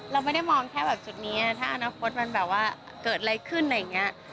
เราไม่ได้มองแค่แบบจุดนี้ถ้าอนาคตมันแบบว่าเกิดอะไรขึ้นอะไรอย่างนี้